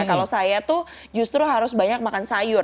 kalau saya tuh justru harus banyak makan sayur